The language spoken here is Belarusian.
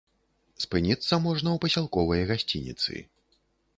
Спыніцца можна ў пасялковай гасцініцы.